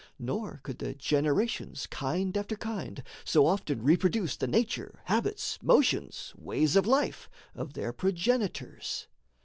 Nor could the generations Kind after kind so often reproduce The nature, habits, motions, ways of life, Of their progenitors.